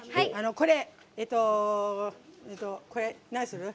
これ、何する？